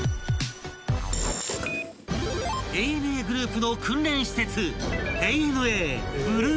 ［ＡＮＡグループの訓練施設］